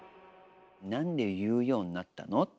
なんで言うようになったの？